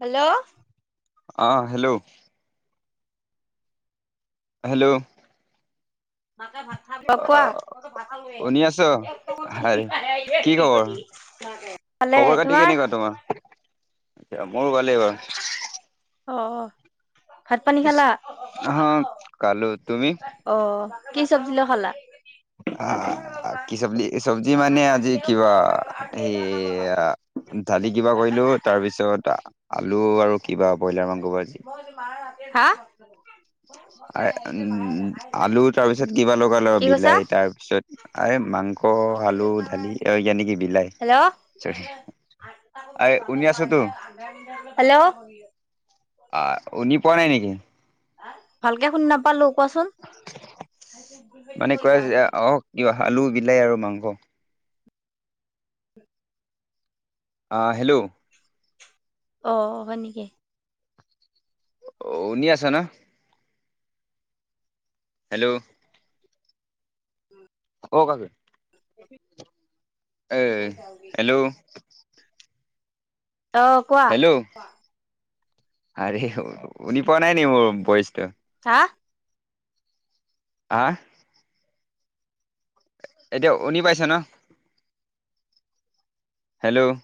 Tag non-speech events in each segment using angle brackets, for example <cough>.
Hello. আহ hello. Hello. অ কোৱা <unintelligible> শুনি আছ হাৰে কি খবৰ <unintelligible> ভালে। খবৰ খাতি তোমাৰ? কেনেকুৱা মোৰ ভালে বাৰু! অঁ অঁ। হা কালো অ কি চব্জি লগত খালা? অ কি চব্জি চব্জি মানে আজি কিবা এইয়া দালি কিবা কৰিলো তাৰপিছত আলু আৰু কিবা ব্ৰইলাৰ মাংস ভাজি। হা? <inaudible> আ উম আলু তাৰপিছত কিবা লগা লগ কি কৈছা বিলাহী তাৰ পিছত আই মাংস। আলু দালি য জানকি বিলাই হেল্ল' চৰি আৰে শুনি আছোতো <unintelligible> হেল্ল'। আহ শুনি পোৱা নাই নেকি? ভালকে শুনি নাপালো কোৱাচোন। মানে কয় আহক ক আলু বিলাহী আৰু মাংস। আহ হেল্ল'। অ হয় নেকি? অ শুনি আছা না? হেল্ল'। <unintelligible> <unintelligible> এ হেল্ল'। অ কোৱা। হেল্ল' আৰে শুনি পোৱা নাই নি মোৰ ভয়েছটো? হা? আহ? এতিয়া শুনি পাইছা ন? Hello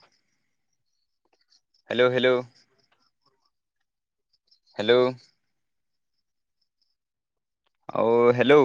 hello hello. হেল্ল'। অ হেল্ল'।